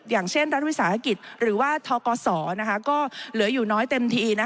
อย่างเช่นรัฐวิสาหกิจหรือว่าทกศก็เหลืออยู่น้อยเต็มที